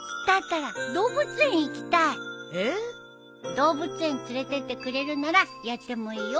動物園連れてってくれるならやってもいいよ